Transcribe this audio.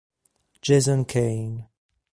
Jason Cain